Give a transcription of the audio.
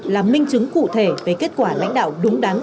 là minh chứng cụ thể về kết quả lãnh đạo đúng đắn